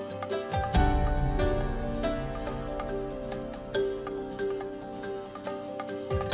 pemerintah provinsi ntt telah memperbaiki penceplakan